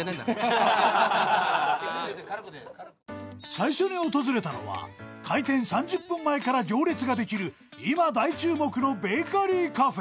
［最初に訪れたのは開店３０分前から行列ができる今大注目のベーカリーカフェ］